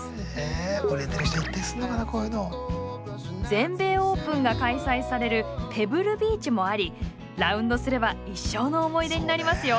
全米オープンが開催されるペブルビーチもありラウンドすれば一生の思い出になりますよ。